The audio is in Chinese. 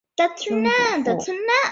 曾祖父陈善。